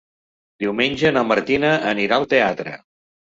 Diumenge na Martina anirà al teatre.